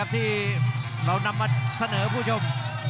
ที่เรานำมาเสนอผู้ชม